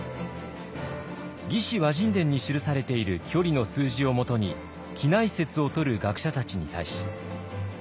「魏志倭人伝」に記されている距離の数字をもとに畿内説をとる学者たちに対し。